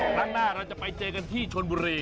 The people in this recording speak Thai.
ครั้งหน้าเราจะไปเจอกันที่ชนบุรี